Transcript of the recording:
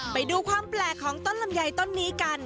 ไปดูความแปลกของต้นลำไยต้นนี้กัน